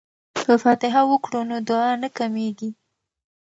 که فاتحه وکړو نو دعا نه کمیږي.